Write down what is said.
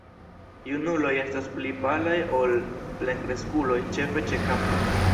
Junuloj estas pli palaj ol plenkreskuloj, ĉefe ĉe kapo.